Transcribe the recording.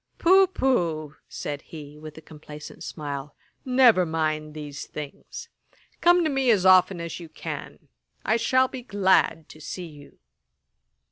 'Poh, poh! (said he, with a complacent smile,) never mind these things. Come to me as often as you can. I shall be glad to see you.'